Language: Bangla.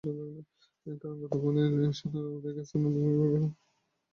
কারণ, গাতফানের সৈন্যরা আলাদা এক স্থানে অবরোধে অংশগ্রহণ করছিল।